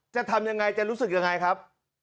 จะทำยังไงจะรู้สึกยังไงครับ